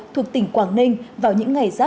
thuộc tỉnh quảng ninh vào những ngày